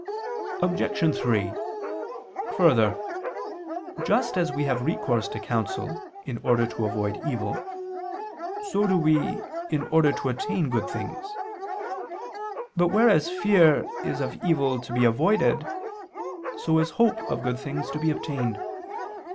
Obj. 3: Further, just as we have recourse to counsel in order to avoid evil, so do we, in order to attain good things. But whereas fear is of evil to be avoided, so is hope of good things to be obtained.